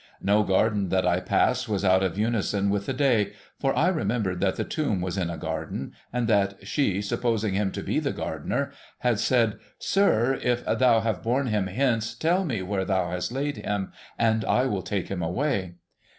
No garden that I passed was out of unison with the day, for I remembered that the tomb was in a garden, and that ' she, supposing him to be the gardener,' had said, ' Sir, if thou have borne him hence, tell me where thou hast laid him, and I will take him away.'